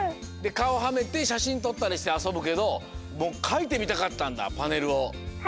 かおはめてしゃしんとったりしてあそぶけどもうかいてみたかったんだパネルを。